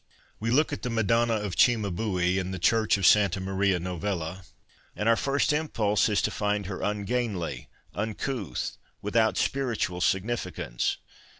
We look at the Madonna of Cimabue in the church of Santa Maria Novella, and our first impulse is to find her ungainly, uncouth, without spiritual significance.